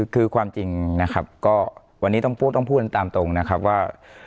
คือความจริงนะครับก็วันนี้ต้องพูดต้องพูดตามตรงนะครับว่า